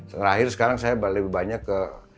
terakhir sekarang saya lebih banyak ke